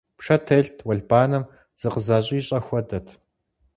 Пшэ телът, уэлбанэм зыкъызэщӀищӀэ хуэдэт.